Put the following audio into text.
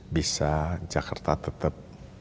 bisa jakarta tetap